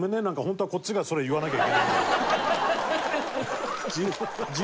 なんか本当はこっちがそれを言わなきゃいけないんだけど。